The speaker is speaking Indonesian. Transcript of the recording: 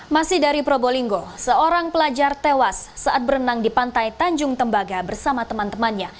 masih dari probolinggo seorang pelajar tewas saat berenang di pantai tanjung tembaga bersama teman temannya